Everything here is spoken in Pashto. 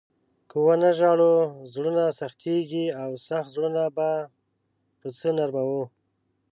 که و نه ژاړو، زړونه سختېږي او سخت زړونه به په څه نرموو؟